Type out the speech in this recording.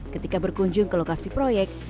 ketika berkunjung ke lokasi proyek